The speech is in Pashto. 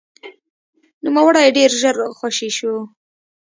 نوموړی ډېر ژر خوشې شو.